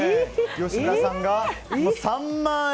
吉村さんが３万円。